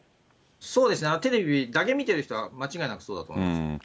そうですね、テレビだけを見てる人は間違いなくそうだと思います。